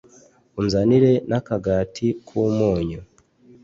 unzanire n’akagati k’umunyu